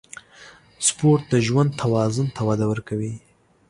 سپورت د ژوند توازن ته وده ورکوي.